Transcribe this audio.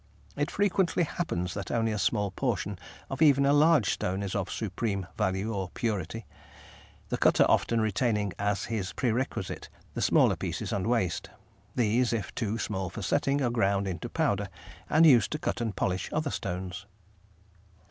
It frequently happens that only a small portion of even a large stone is of supreme value or purity, the cutter often retaining as his perquisite the smaller pieces and waste. These, if too small for setting, are ground into powder and used to cut and polish other stones.